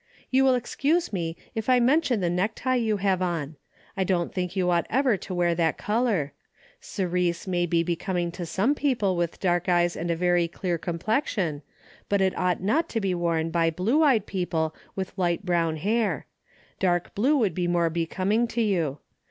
You will excuse me, if I mention the necktie you have on. I don't tliink you ought ever to wear that color. Cerise may be be coming to some people with dark eyes and a very clear complexion, but it ought not to be worn by blue eyed people with light brown hair. Dark blue would be more becoming to you.